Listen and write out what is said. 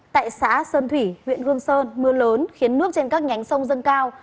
tại xã sơn thủy huyện hương sơn mưa lớn khiến nước trên các nhánh sông dâng cao